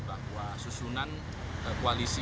bahwa susunan koalisi